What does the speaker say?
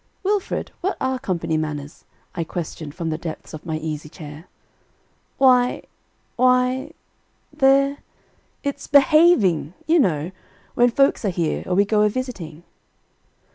"Wilfred, what are company manners?" I questioned from the depths of my easy chair. "Why why they're it's behaving, you know, when folks are here, or we go a visiting."